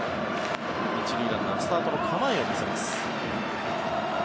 １塁ランナースタートの構えを見せます。